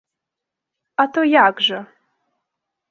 А то як жа!